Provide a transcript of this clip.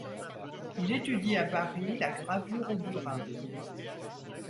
Il étudie à Paris la gravure au burin.